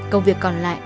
công việc còn lại